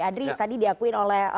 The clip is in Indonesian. adri tadi diakuin oleh